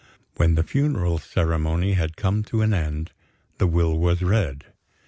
When the funeral ceremony had come to an end, the will was read.